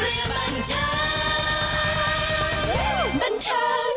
บรรเทิงไทยรัฐรู้จริงทุกเรื่องบรรเทิง